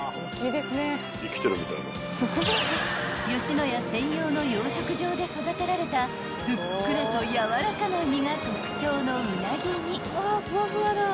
［野家専用の養殖場で育てられたふっくらとやわらかな身が特徴のウナギに］